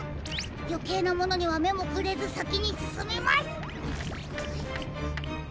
よけいなものにはめもくれずさきにすすみます！